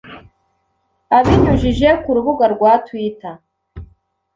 abinyujije ku rubuga rwa twitter